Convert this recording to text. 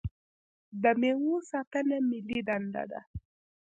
د میوو ساتنه ملي دنده ده.